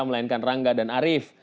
melainkan rangga dan arief